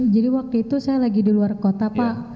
jadi waktu itu saya lagi di luar kota pak